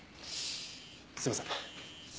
すいません。